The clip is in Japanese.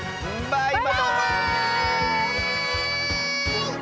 バイバーイ！